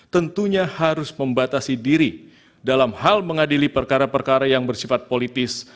tentunya harus membatasi diri dalam hal mengadili perkara perkara yang bersifat politis